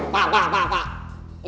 pak pak pak pak